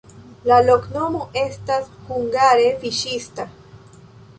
La loknomo estas hungare fiŝista.